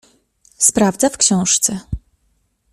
Sprawdza w książce.